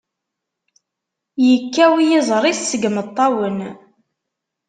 Yekkaw yiẓri-s seg imeṭṭawen.